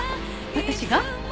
私が？